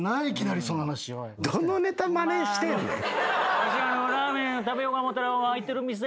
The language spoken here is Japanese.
わしラーメン食べようか思たら開いてる店。